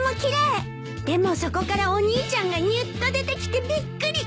でもそこからお兄ちゃんがにゅっと出てきてびっくり。